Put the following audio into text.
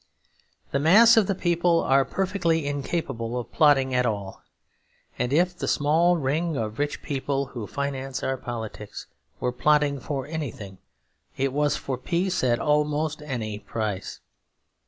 The mass of the people are perfectly incapable of plotting at all, and if the small ring of rich people who finance our politics were plotting for anything, it was for peace at almost any price.